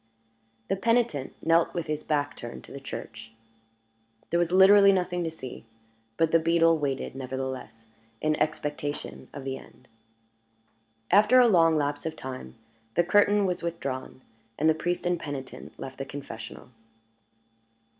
The penitent knelt with his back turned to the church. There was literally nothing to see; but the beadle waited, nevertheless, in expectation of the end. After a long lapse of time the curtain was withdrawn, and priest and penitent left the confessional.